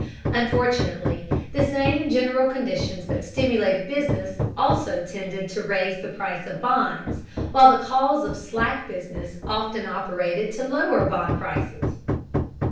Unfortunately, the same general conditions that stimulated business also tended to raise the price of bonds, while the causes of slack business often operated to lower bond prices.